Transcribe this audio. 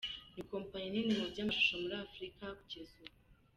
Ni kompanyi nini mu by’amashusho muri Afurika kugeza ubu.